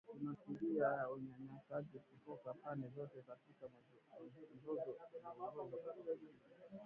Tunashuhudia unyanyasaji kutoka pande zote katika mzozo aliongeza Valentine.